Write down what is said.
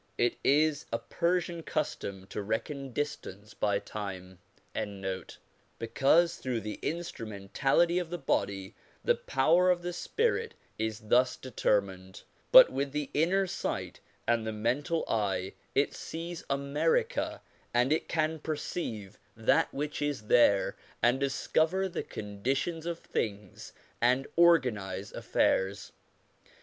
* It is a Persian custom to reckon distance by time. POWERS AND CONDITIONS OF MAN 265 instrumentality of the body the power of the spirit is thus determined; but with the inner sight and the mental eye it sees America, and it can perceive that which is there, and discover the conditions of things and organise affairs.